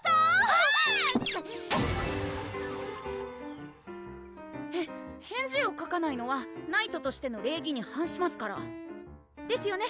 わっ！へ返事を書かないのはナイトとしての礼儀に反しますからですよね？